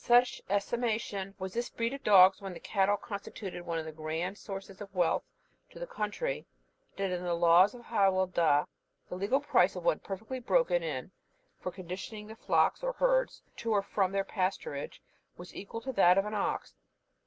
In such estimation was this breed of dogs, when cattle constituted one of the grand sources of wealth to the country, that in the laws of Hywell Dda, the legal price of one perfectly broken in for conducting the flocks or herds to or from their pasturage, was equal to that of an ox, viz.